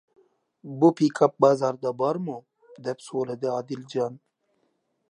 بۇ پىكاپ بازاردا بارمۇ؟ -دەپ سورىدى ئادىلجان.